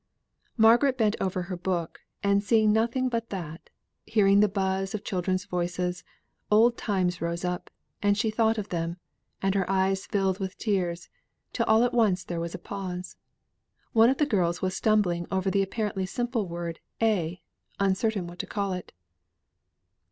Margaret bent over her book, and seeing nothing but that hearing the buzz of children's voices, old times rose up, and she thought of them, and her eyes filled with tears, till all at once there was a pause one of the girls was stumbling over the apparently simple word "a," uncertain what to call it.